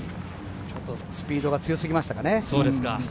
スピードが強すぎましたかね。